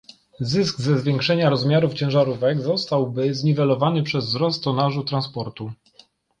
Zysk ze zwiększenia rozmiarów ciężarówek zostałby zniwelowany przez wzrost tonażu transportu